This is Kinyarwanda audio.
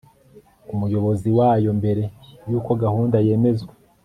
umuyobozi wayo mbere y uko gahunda yemezwa